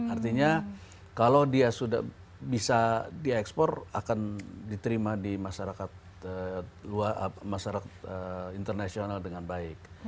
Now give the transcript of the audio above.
artinya kalau dia sudah bisa di ekspor akan diterima di masyarakat luar masyarakat internasional dengan baik